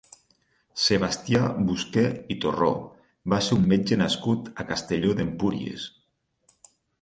Sebastià Busqué i Torró va ser un metge nascut a Castelló d'Empúries.